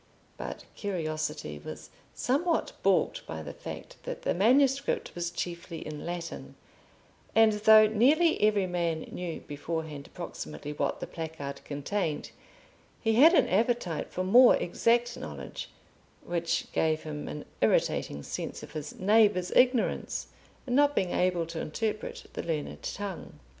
But curiosity was somewhat balked by the fact that the manuscript was chiefly in Latin, and though nearly every man knew beforehand approximately what the placard contained, he had an appetite for more exact knowledge, which gave him an irritating sense of his neighbour's ignorance in not being able to interpret the learned tongue.